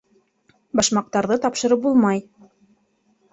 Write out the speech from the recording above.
Башмаҡтарҙы тапшырып булмай.